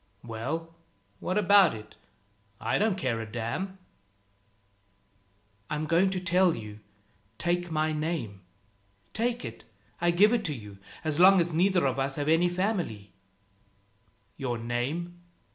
"Well, what about it? I don't care a damn." "I'm going to tell you. Take my name. Take it I give it you; as long as neither of us has any family." "Your name?"